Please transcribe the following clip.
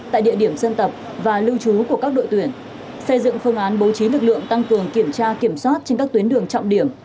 tại địa điểm dân tập và lưu trú của các đội tuyển xây dựng phương án bố trí lực lượng tăng cường kiểm tra kiểm soát trên các tuyến đường trọng điểm